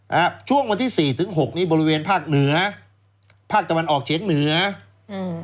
ช่วงวันที่สี่ถึงหกนี้บริเวณภาคเหนือภาคตะวันออกเฉียงเหนืออืม